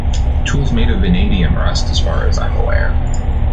Tools made of vanadium rust, as far as I am aware.